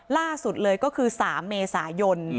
ล่าสุดเลยก็คือ๓เมษายน